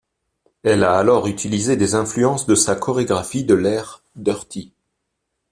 Elle a alors utilisé des influences de sa chorégraphie de l'ère 'Dirrty'.